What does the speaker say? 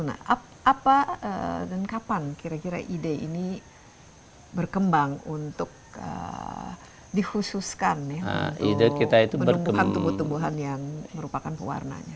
nah apa dan kapan kira kira ide ini berkembang untuk dikhususkan ya untuk menemukan tumbuh tumbuhan yang merupakan pewarnanya